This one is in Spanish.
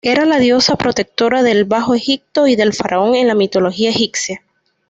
Era la diosa protectora del Bajo Egipto y del faraón en la mitología egipcia.